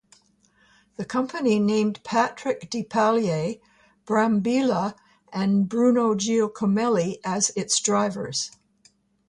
The company named Patrick Depailler, Brambilla, and Bruno Giacomelli as its drivers.